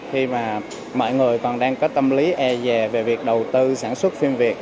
khi mà mọi người còn đang có tâm lý e dè về việc đầu tư sản xuất phim việt